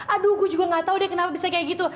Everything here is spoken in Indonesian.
aduh gue juga gak tau deh kenapa bisa kayak gitu